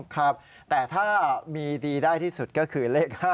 ครับแต่ถ้ามีดีได้ที่สุดก็คือเลข๕